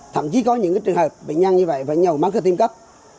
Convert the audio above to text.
thậm chí có những trường hợp bệnh nhân như vậy phải nhầu mắc cơ tiêm cấp